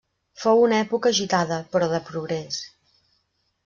Fou una època agitada però de progrés.